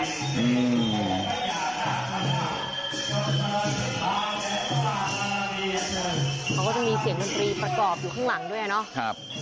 เขาก็จะมีเสียงดนตรีประกอบอยู่ข้างหลังด้วยเนาะ